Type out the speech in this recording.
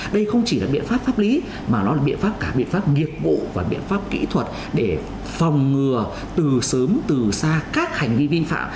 đây không chỉ là biện pháp pháp lý mà nó là biện pháp cả biện pháp nghiệp vụ và biện pháp kỹ thuật để phòng ngừa từ sớm từ xa các hành vi vi phạm